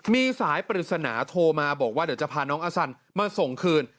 มีสายปริศนาโทรมาบอกว่าเดี๋ยวจะพาน้องอาสันมาส่งคืน